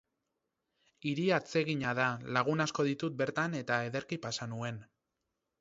Hiri atsegina da, lagun asko ditut bertan eta ederki pasa nuen.